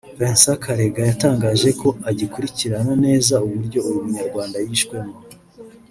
Vincent Karega yatangaje ko agikurikirana neza uburyo uyu munyarwanda yishwemo